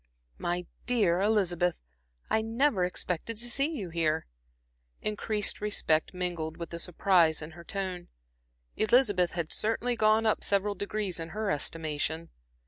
"My dear Elizabeth, I never expected to see you here." Increased respect mingled with the surprise in her tone. Elizabeth had certainly gone up several degrees in her estimation.